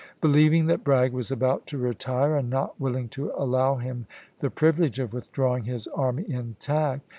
v. Believing that Bragg was about to retire, and not willing to allow him the privilege of withdrawing his army intact.